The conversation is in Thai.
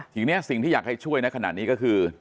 ทีนี้สิ่งที่อยากให้ช่วยนะขนาดนี้ก็คือ